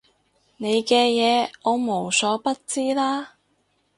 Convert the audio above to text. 你嘅嘢我無所不知啦